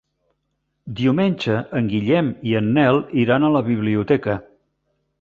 Diumenge en Guillem i en Nel iran a la biblioteca.